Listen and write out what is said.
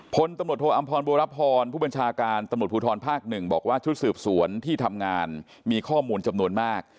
พลตำรวจโทอำพรบัวรพรผู้บัญชาการตำรวจภูทรภาคหนึ่งบอกว่าชุดสืบสวนที่ทำงานมีข้อมูลจำนวนมาก